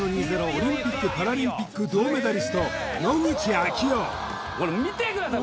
オリンピック・パラリンピック銅メダリスト野口啓代見てください